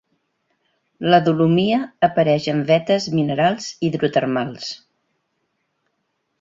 La dolomia apareix en vetes minerals hidrotermals.